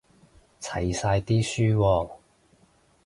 齊晒啲書喎